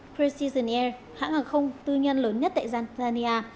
precision air hãng hàng không tư nhân lớn nhất tại tanzania